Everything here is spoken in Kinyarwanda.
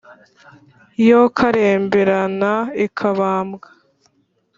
yo karemberana ikabambwa,